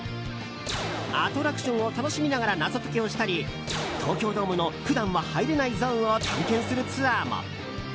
アトラクションを楽しみながら謎解きをしたり東京ドームの普段は入れないゾーンを探検するツアーも。